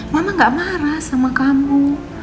mama gak marah sama kamu